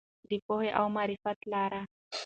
د پوهې او معرفت لاره.